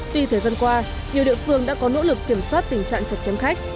tuy thời gian qua nhiều địa phương đã có nỗ lực kiểm soát tình trạng chặt chém khách